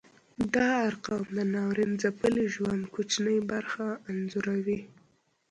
دا ارقام د ناورین ځپلي ژوند کوچنۍ برخه انځوروي.